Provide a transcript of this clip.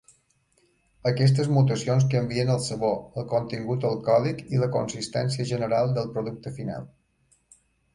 Aquestes mutacions canvien el sabor, el contingut alcohòlic i la consistència general del producte final.